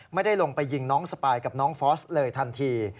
ไม่ได้ลงไปยิงน้องสปายกับน้องฟอสเลยทันที